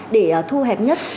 để thu hẹp nhất